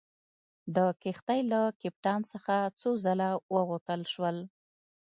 د کښتۍ له کپټان څخه څو ځله وغوښتل شول.